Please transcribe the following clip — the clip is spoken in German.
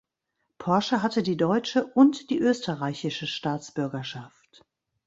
Porsche hatte die deutsche und die österreichische Staatsbürgerschaft.